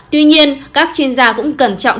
tuy nhiên các chuyên gia cũng cẩn trọng